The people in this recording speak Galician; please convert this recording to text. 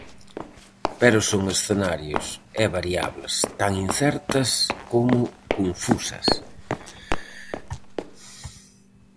Pero son escenarios e variables tan incertas como confusas.